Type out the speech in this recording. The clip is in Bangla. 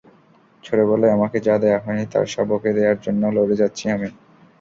ছোটবেলায় আমাকে যা দেয়া হয়নি তার সব ওকে দেয়ার জন্য লড়ে যাচ্ছি আমি।